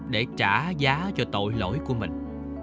để trả giá cho tội lỗi của mình